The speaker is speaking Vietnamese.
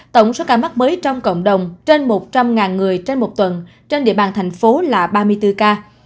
tổng số ca mắc mới trong cộng đồng trên một trăm linh người trên một tuần trên địa bàn thành phố là ba mươi bốn ca